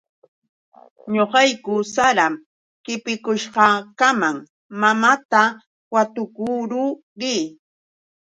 Ñuqayku saram qipikushqakamam mamaata watukuu rii.